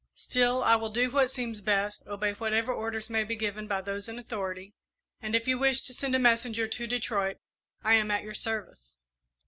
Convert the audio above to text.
Still, I will do what seems best, obey whatever orders may be given by those in authority, and if you wish to send a messenger to Detroit I am at your service.